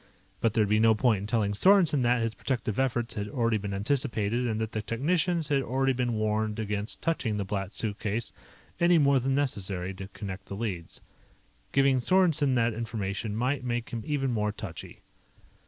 But there would be no point in telling Sorensen that his protective efforts had already been anticipated and that the technicians had already been warned against touching the Black Suitcase any more than necessary to connect the leads. Giving Sorensen that information might make him even more touchy.